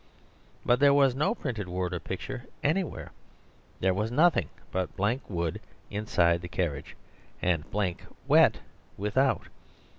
But there was no printed word or picture anywhere; there was nothing but blank wood inside the carriage and blank wet without.